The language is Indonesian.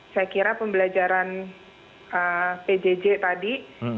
saya kira pembelajaran pjj tadi